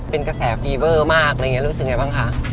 เป็นกระแสฟีเวอร์มากอะไรอย่างนี้รู้สึกไงบ้างคะ